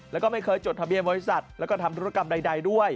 แล้วก็ไม่เคยจดทะเบียนบริษัทแล้วก็ทำธุรกรรมใดด้วย